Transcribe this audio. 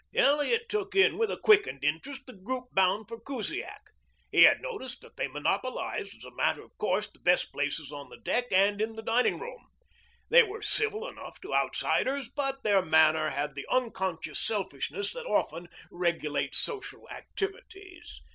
Elliot took in with a quickened interest the group bound for Kusiak. He had noticed that they monopolized as a matter of course the best places on the deck and in the dining room. They were civil enough to outsiders, but their manner had the unconscious selfishness that often regulates social activities.